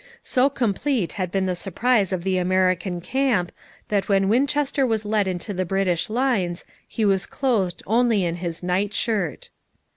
So complete had been the surprise of the American camp that when Winchester was led into the British lines he was clothed only in his night shirt.